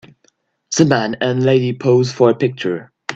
The man and lady pose for a picture.